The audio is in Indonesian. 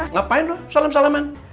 ngapain lu salam salaman